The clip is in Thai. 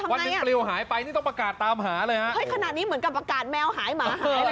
วันหนึ่งปลิวหายไปนี่ต้องประกาศตามหาเลยฮะเฮ้ยขนาดนี้เหมือนกับอากาศแมวหายหมาหายเลย